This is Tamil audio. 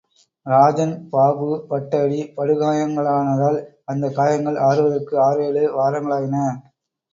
ராஜன் பாபு பட்ட அடி படுகாயங்களானதால், அந்த காயங்கள் ஆறுவதற்கு ஆறேழு வாரங்களாயின.